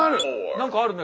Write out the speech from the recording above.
何かあるね。